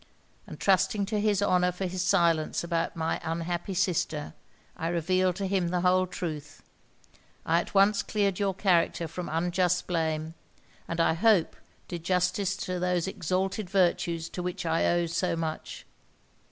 And trusting to his honour for his silence about my unhappy sister, I revealed to him the whole truth. I at once cleared your character from unjust blame, and, I hope, did justice to those exalted virtues to which I owe so much.